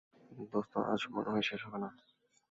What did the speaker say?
দোস্ত, আজ মনে হয় শেষ হবে না।